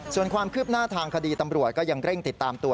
ส่วนความคืบหน้าทางคดีตำรวจก็ยังเร่งติดตามตัว